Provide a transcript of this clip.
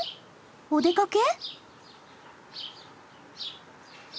お出かけ？